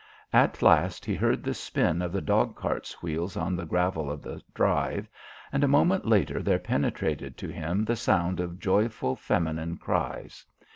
At last he heard the spin of the dog cart's wheels on the gravel of the drive, and a moment later there penetrated to him the sound of joyful feminine cries.